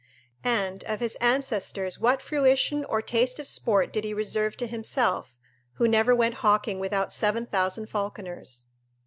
And, of his ancestors what fruition or taste of sport did he reserve to himself, who never went hawking without seven thousand falconers?